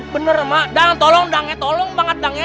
bener emak dang tolong dangnya tolong banget dangnya